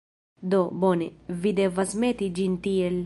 Do, bone, vi devas meti ĝin tiel.